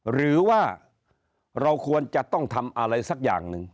หรือว่าเราควรจะต้องทำอะไรสักอย่างหนึ่ง